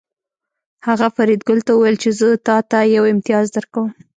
هغه فریدګل ته وویل چې زه تاته یو امتیاز درکوم